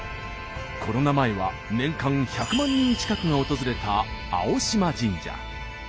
コロナ前は年間１００万人近くが訪れた青島神社。